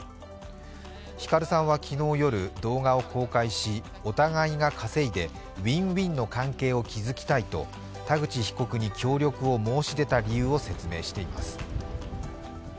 ヒカルさんは昨日夜、動画を公開しお互いが稼いで、ウィン・ウィンの関係を築きたいと、田口被告に協力を申し出た理由を説明しています。